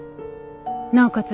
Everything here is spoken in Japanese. なおかつ